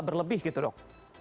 berlebih gitu dok